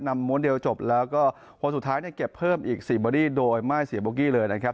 ม้วนเดียวจบแล้วก็คนสุดท้ายเนี่ยเก็บเพิ่มอีก๔เบอรี่โดยไม่เสียโบกี้เลยนะครับ